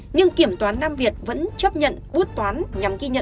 nhưng kiểm toán nam việt vẫn chấp nhận bút toán